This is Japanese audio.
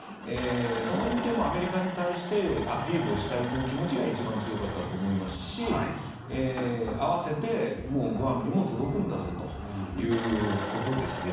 その意味でもアメリカに対してアピールをしたいという気持ちが一番強かったと思いますし併せてグアムにも届くんだぞということですね。